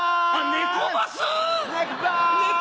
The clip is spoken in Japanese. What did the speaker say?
ネコバス！